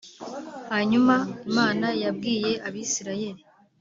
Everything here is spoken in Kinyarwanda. Hanyuma Imana yabwiye Abisirayeli.